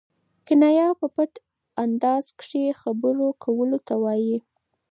کنایه په پټ انداز کښي خبرو کولو ته وايي.